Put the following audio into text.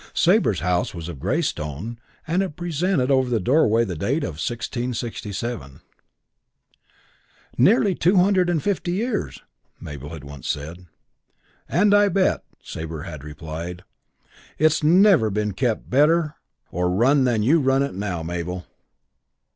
Sabre's house was of grey stone and it presented over the doorway the date 1667. "Nearly two hundred and fifty years," Mabel had once said. "And I bet," Sabre had replied, "it's never been better kept or run than you run it now, Mabel."